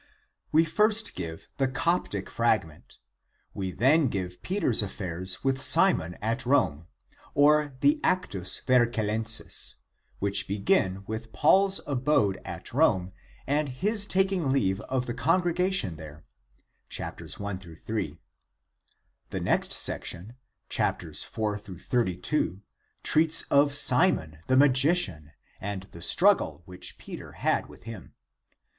We first give the Coptic fragment. We then give Peter's affairs with Simon at Rome, or the Actus Vercellenses, which begin with Paul's abode at Rome and his taking leave of the congregation there (chaps. I HI). The next section (chaps. IV XXXn) treats of Simon, the Magician, and the struggle which Peter had with him.